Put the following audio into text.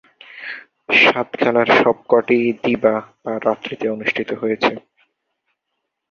সাত খেলার সবকটিই দিবা/রাত্রিতে অনুষ্ঠিত হয়েছে।